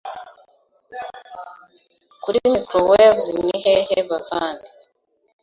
kuri microwave nihehe bavandi.